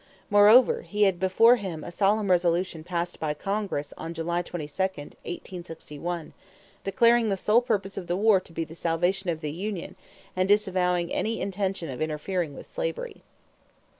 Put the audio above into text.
Moreover, he had before him a solemn resolution passed by Congress on July 22, 1861, declaring the sole purpose of the war to be the salvation of the union and disavowing any intention of interfering with slavery.